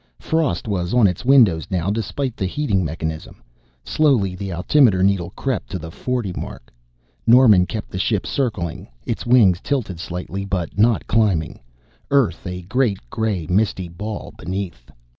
Frost was on its windows now despite the heating mechanism. Slowly the altimeter needle crept to the forty mark. Norman kept the ship circling, its wings tilted slightly, but not climbing, Earth a great gray misty ball beneath.